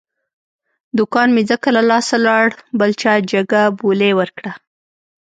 دوکان مې ځکه له لاسه لاړ، بل چا جگه بولۍ ور کړه.